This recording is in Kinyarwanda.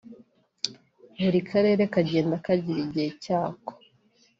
buri Karere kagenda kagira igihe cyako